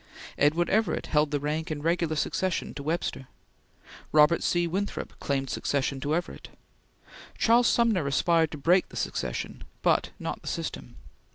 Edward Everett held the rank in regular succession to Webster. Robert C. Winthrop claimed succession to Everett. Charles Sumner aspired to break the succession, but not the system.